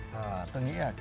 tôi nghĩ là